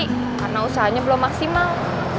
karena usahanya belum maksimal